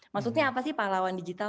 maksudnya apa sih pahlawan digital